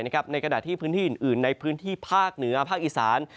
กระดาษที่พื้นที่อื่นในพื้นที่ภาคเหนือภาคอีสาน